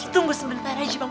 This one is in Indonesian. tunggu sebentar aja bang